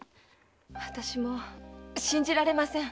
私も信じられません。